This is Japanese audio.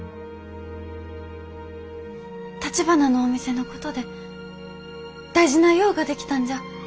たちばなのお店のことで大事な用ができたんじゃ。